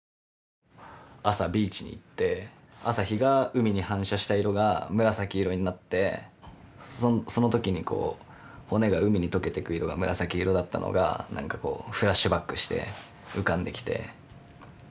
朝ビーチに行って朝日が海に反射した色が紫色になってその時にこう骨が海にとけてく色が紫色だったのが何かこうフラッシュバックして浮かんできて。